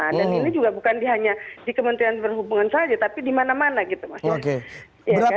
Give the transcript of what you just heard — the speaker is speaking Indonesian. dan ini juga bukan hanya di kementerian perhubungan saja tapi di mana mana gitu mas